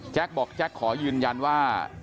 แจ็คบอกแจ็คขอยืนยันว่า